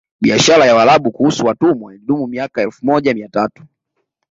Biashara ya Waarabu kuhusu watumwa ilidumu miaka elfu moja mia tatu